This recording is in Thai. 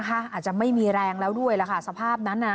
อาจจะไม่มีแรงแล้วสภาพนั้นนะ